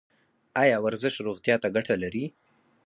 ایا ورزش روغتیا ته ګټه لري؟